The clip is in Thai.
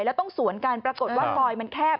และต้องสวนการปรากฏว่าไฟมันแคบ